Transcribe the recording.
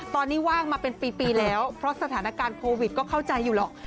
ตอนนี้ว่างมาเป็นปีแล้วเพราะสถานการณ์โควิดก็เข้าใจอยู่หรอก